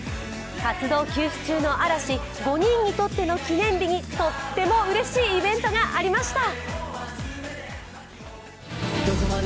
活動休止中の嵐、５人にとっての記念日にとってもうれしいイベントがありました。